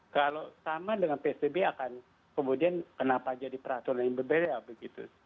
kalau sama dengan psbb akan kemudian kenapa jadi peraturan yang berbeda begitu